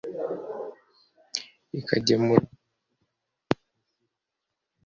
ikagemura amavuta mu Misiri.